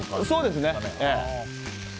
そうですね。